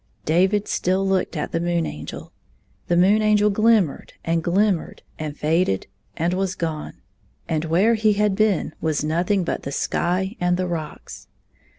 David still looked at the Moon Angel. The Moon Angel glinamered and glimmered and faded and was gone, and where he had been was nothing 36 but the sky and the rocks.